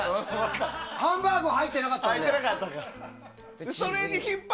ハンバーグは入ってなかったので。